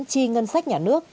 chi ngân sách nhà nước